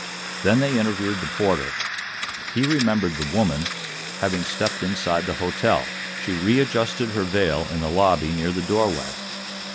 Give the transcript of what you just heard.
Then they interviewed the porter. He remembered the "woman" having stepped inside the hotel. She readjusted her veil in the lobby near the doorway.